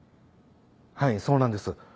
はいそうなんです。